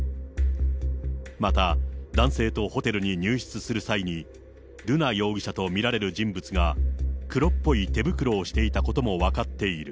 また男性とホテルに入室する際に、瑠奈容疑者と見られる人物が、黒っぽい手袋をしていたことも分かっている。